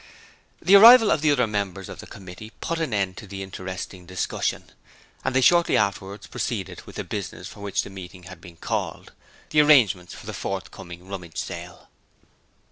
The arrival of the other members of the committee put an end to the interesting discussion, and they shortly afterwards proceeded with the business for which the meeting had been called the arrangements for the forthcoming Rummage Sale.